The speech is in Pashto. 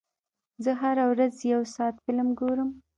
زه هره ورځ یو ساعت فلم ګورم.